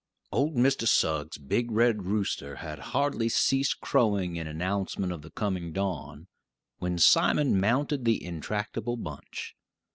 Old Mr. Suggs' big red rooster had hardly ceased crowing in announcement of the coming dawn, when Simon mounted the intractable Bunch.